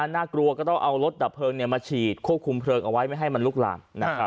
น่ากลัวก็ต้องเอารถดับเพลิงมาฉีดควบคุมเพลิงเอาไว้ไม่ให้มันลุกลามนะครับ